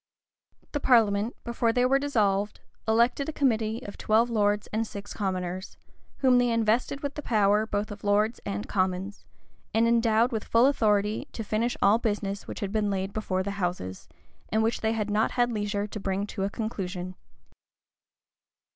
The parliament, before they were dissolved, elected a committee of twelve lords and six commoners,[] whom they invested with the whole power both of lords and commons, and endowed with full authority to finish all business which had been laid before the houses, and which they had not had leisure to bring to a conclusion.